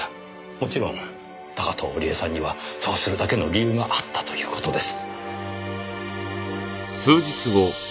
もちろん高塔織絵さんにはそうするだけの理由があったという事です。